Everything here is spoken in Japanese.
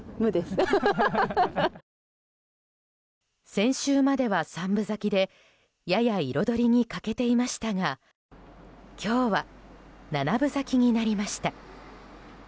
先週までは三分咲きでやや彩りに欠けていましたが今日は七分咲きになりました。